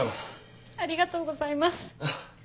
ありがとうございます。